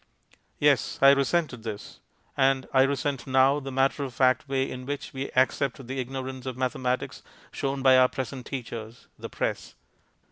Yes, I resented this; and I resent now the matter of fact way in which we accept the ignorance of mathematics shown by our present teachers the press.